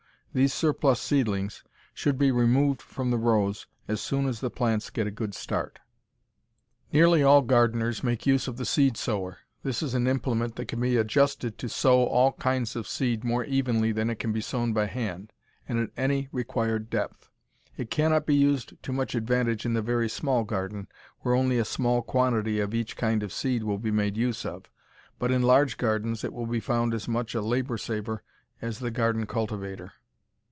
These surplus seedlings should be removed from the rows as soon as the plants get a good start. Nearly all gardeners make use of the seed sower. This is an implement that can be adjusted to sow all kinds of seed more evenly than it can be sown by hand, and it can be sown thickly or thinly, as desired, and at any required depth. It cannot be used to much advantage in the very small garden, where only a small quantity of each kind of seed will be made use of, but in large gardens it will be found as much a labor saver as the garden cultivator.